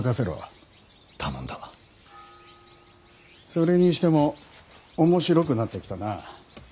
それにしても面白くなってきたな。